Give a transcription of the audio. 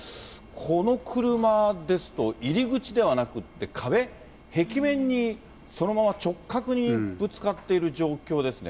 この車ですと、入り口ではなくって、壁、壁面にそのまま直角にぶつかってる状況ですね。